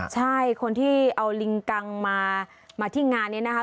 ใช่คนที่เอาลิงกังมาที่งานนี้นะคะ